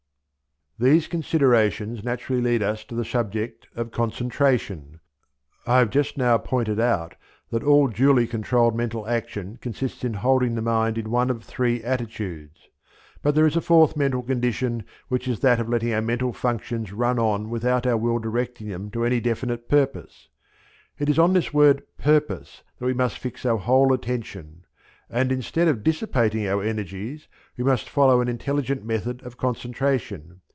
These considerations naturally lead us to the subject of concentration. I have just now pointed out that all duly controlled mental action consists in holding the mind in one of three attitudes; but there is a fourth mental condition, which is that of letting our mental functions run on without our will directing them to any definite purpose. It is on this word purpose that we must fix our whole attention; and instead of dissipating our energies, we must follow an intelligent method of concentration.